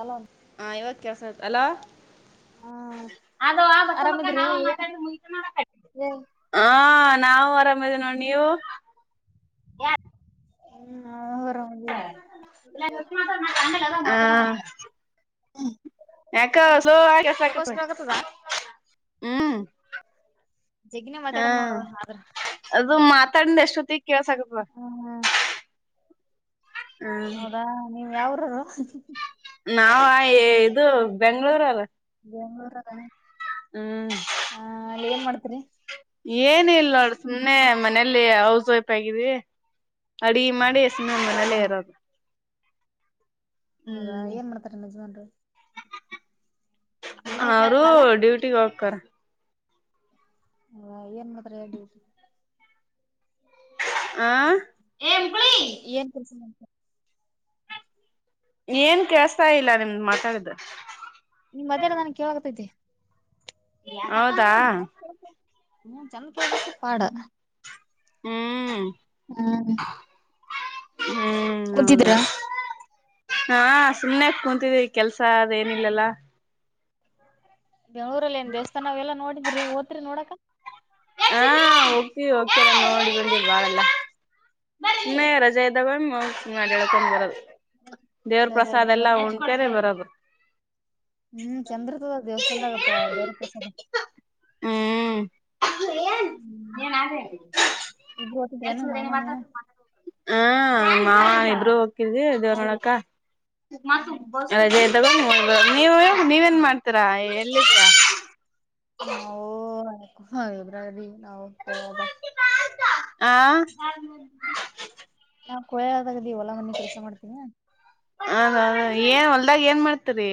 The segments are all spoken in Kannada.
ಅಲ್ಲ ಯುವ ಕೇಳಿಸ್ತಾ ಇದೆ ಹಲೋ. ಹ್ಮ್ ಅದು ಆ ಬಸಮಕ ಆರಾಮಿದ್ರಿ ನಾವ ಮಾತಾ ಮುತನ. ಏನ್ ಹಾ ನಾವು ಆರಾಮ್ ಇದ್ದೀವಿ ನೋಡು ನೀವು. ಹ್ಮ. ಆರಾಮದೀವಿ [unintelligible] ಯಕ ಸೋ ಆಗಕ ತಗೋಸ್ಬೇಕಾಗತದ ಹ್ಮ್. ಜಗ್ನ ಹಾ ಮಾತಾಡ ನೋಡು ಆದ್ರ. ಅದು ಮಾತಾಡಿಂದ ಹ್ಮ್ [unintelligible] ಹೌದಾ ನೀವ್ ಯಾವೂರವೃ. ನಾವ ಇದು ಬೆಂಗ್ಗಳೂರ ಬೆಂಗ್ಳೂರ ಹ್ಮ್. ಆ ಅಲ್ಲಿ ಏನ್ ಮಾಡ್ತರಿ ಏನ ಇಲ್ ನೋಡ ಸುಮ್ನೆ ಮನೇಲಿ ಹೌಸ್ ವೈಫ ಆಗಿದ್ವಿ. ಅಡುಗಿ ಮಾಡಿ ಸುಮ್ನೆ ಹ ಮನಲೆೇ ಇರೋದು. ಹೌದಾ ಏನ್ ಮಾಡ್ತಾರ ನಿಮ್ಮ ಯಜಮನ್ರು. ಅವರು ಡ್ಯೂಟಿಗೆ ಹೋಗ್ತಾರ. ಹ ಏನ್ ಮಾಡತರ ಹೇಳ್ರಿ. ಹ ಳ. [unintelligible] ಏನ್ ಕೆಲ್ಸ ಮಾಡ್ತಾರ ಏನ್ ಕೇಳಿಸ್ತಾ ಇಲ್ಲ ನಿಮ್ದು ಮಾತಾಡದ. ನಿಮ್ ಮಾತಾಡೋದ್ ನನ್ಗ್ ಕೇಳಾಕತೈತಿ ಹೌದಾ. ಹ್ಮ ಚೆಂದ ಕೇಳಬೇಕ್ಕು ಪಾಡ ಹ್ಮ್ ಹ್ಮ್. ಹ್ಮ್ ಹೌದ ಕುಂತಿದ್ರ ಹೌದು. ಹಾ ಸುಮ್ಮನೆ ಕುಂತಿದೀವಿ ಕೆಲಸ ಅದ ಏನಿಲ್ಲಲ್ಲ. ಬೆಂಳೂರಲ್ಲಿ ಏನ್ ದೇವಸ್ಥಾನ ಅವೆಲ್ಲ ನೋಡಿದ್ರಿ ಓತ್ರಿ ನೋಡಾಕ. ಹಾ ಹೊಕ್ತವಿ ಹೊಕ್ತವಿ ನೋಡಿ ಬಂದಿವಿ ಬಾಳೆಲ್ಲ. ಸುಮ್ಮನೆ ರಜೆ ಇದ್ದಾಗ ಸುಮ್ಮನೆ ನೊಡಕೊಂಡು ಬರೋದು. ದೇವರ ರಜಾ ಪ್ರಸಾದ್ ಇದ್ದಾಗ ಎಲ್ಲಾ ಉಂಡಿ ಒಮ್ಮೆ [unintelligible] ಬರೋದು. ಹ್ಮ್ ಚಂದರತ್ತದ ದೇವಸ್ಥಾನದಾಗ ಪ್ರಸಾದ. ಏನ್ ಏನಾಬೆ ಕೆಲ್ಸ್. ಇಬ್ರು ಹೊತಿದ್ರೇನು ಮಾಮ ನೀನು [unintelligible] ಹ ಮಾವ ಇಬ್ರುೂ ಹೋಗತ್ತಿದಿವಿ ದೇವ್ರ ನೋಡಕ್ಕ. ಅದೆ ಅಂದ ನೀವು ನೀವೇನ್ ಮಾಡ್ತೀರಾ ಎಲ್ಲಿದರ. ನಾವು [unintelligible] ನಾ ಹದ ಆ ಹ [inaudible] [unintelligible] ಹೊಲಾ ಮನ್ನಿ ಕೆಲ್ಸ ಮಾಡ್ತೀನ. ಹ ಹ ಏನ್ ಹೊಲದಾಗ ಏನ್ ಮಾಡ್ತರಿ.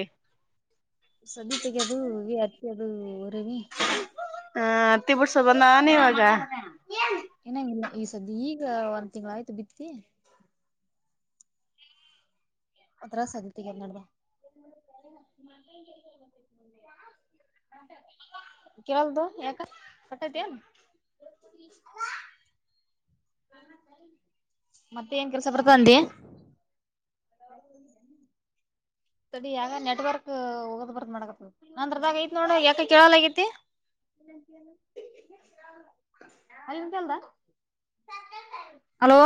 ಸದೀತೆಗೆದು ಈ ಹತ್ತಿ ಅದು. ಹಾ ಹತ್ತಿ ಬುಡ್ಸೋದು ಬಂದಾವನ ಇವಾಗ. ಏನಾಗಿಲ್ಲ ಈ ಸದ ಈಗ ಒಂದ್ ತಿಂಗಳಾಯ್ತು ಬಿತ್ತಿ. ಆತ್ರರ ಸಗತಿ [unintelligible] ಏನಮಾಡಬೇಕ್. ಹ [inaudible] ಕೇಳಲ್ಲದು ಯಾಕಾ ಮಾತಡತೆನು. ಅ [inaudible] [inaudible] ಮತ್ತೆನ್ ಕೆಲಸ ಬರ್ತಂದಿ. ತಡಿ ಯಾಕಾ ನೆಟ್ವರ್ಕ್ ಹೋಗೋದ್ ಬರ್ದ ಮಾಡಕತ್ ನಂದ್ರದಾಗ ಐತ್ ನೋಡ ಯಾಕ ಕೇಳಲ್ಗತಿ. ಎ [inaudible] [inaudible] ನಿಂದಲ್ಲಹಲೋ.